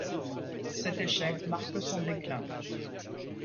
Cet échec marque son déclin.